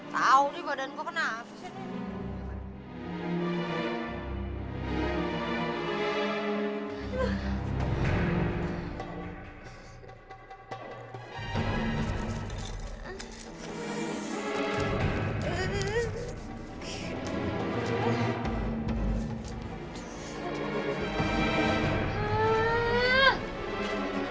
tau nih badan gue kenapa sih